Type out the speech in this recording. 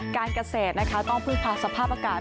การเกษตรนะครับต้องพลิกผลสภาพอากาศ